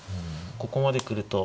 ここまで来ると。